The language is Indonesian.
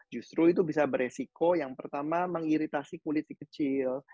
justru itu bisa beresiko yang pertama mengiritasi kulit si kecil